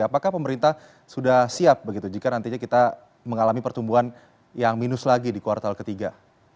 apakah pemerintah sudah siap begitu jika nantinya kita mengalami pertumbuhan yang minus lagi di kuartal ketiga